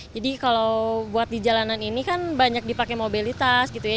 jadi kalau buat di jalanan ini kan banyak dipakai mobilitas gitu ya